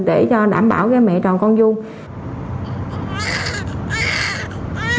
để cho đảm bảo mẹ tròn con vua